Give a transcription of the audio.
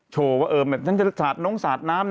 โชว์ว่าเอิมแล้วจ้ะสัดน้องสัดน้ำนะสุดท้าย